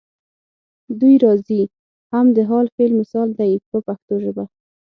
دوی راځي هم د حال فعل مثال دی په پښتو ژبه.